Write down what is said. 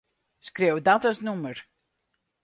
Skriuw dat as nûmer.